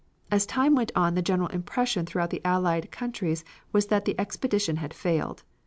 As time went on the general impression throughout the Allied countries was that the expedition had failed.